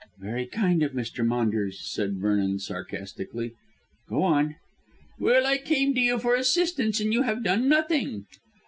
"Very kind of Mr. Maunders," said Vernon sarcastically. "Go on." "Well, I came to you for assistance, and you have done nothing."